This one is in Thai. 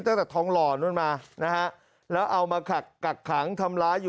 ตั้งแต่ท้องล่อนนึงมาแล้วเอามากักขังทำร้าย